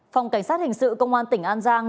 phòng cảnh sát hình sự công an tỉnh an giang